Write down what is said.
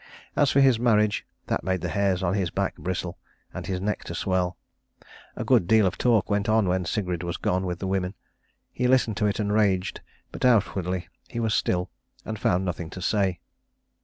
As for his marriage, that made the hairs on his back bristle, and his neck to swell. A good deal of talk went on when Sigrid was gone with the women. He listened to it and raged, but outwardly he was still, and found nothing to say.